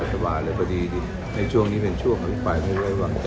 แล้วความผิดค่านจะไปรับคุมของไม่ได้อย่างเงี้ยเขียบปะฮะ